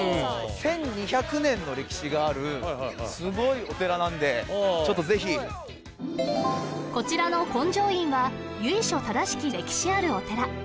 １２００年の歴史があるすごいお寺なんでちょっとぜひこちらの金乗院は由緒正しき歴史あるお寺